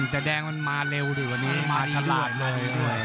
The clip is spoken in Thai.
แต่แดงมันมาเร็วดีกว่านี้มาชะลาดเลย